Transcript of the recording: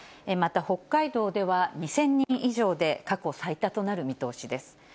また、北海道では、２０００人以上で過去最多となる見通しです。